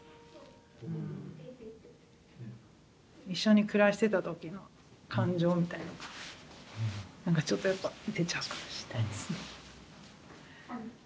一緒に暮らしてた時の感情みたいのがなんかちょっとやっぱ出ちゃうかもしれないですね。